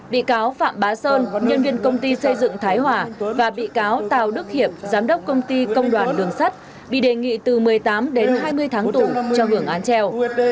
bị cáo phạm bá sơn nhân viên công ty xây dựng thái hòa và bị cáo tào đức hiệp giám đốc công ty công đoàn đường sắt bị đề nghị từ một mươi tám đến hai mươi tháng tù cho hưởng án treo